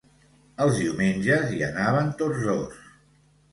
Els diumenges hi anaven tots dos.